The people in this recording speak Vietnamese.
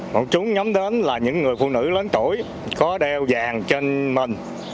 một chúng nhắm đến là những người phụ nữ lớn tuổi có đeo vàng trên mình